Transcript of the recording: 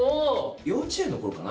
幼稚園のころかな？